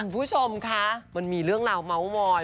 คุณผู้ชมคะมันมีเรื่องราวเมาส์มอย